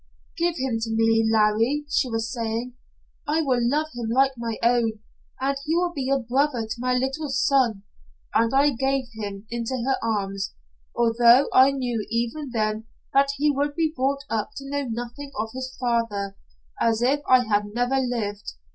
"'Give him to me, Larry,' she was saying. 'I will love him like my own, and he will be a brother to my little son.' And I gave him into her arms, although I knew even then that he would be brought up to know nothing of his father, as if I had never lived.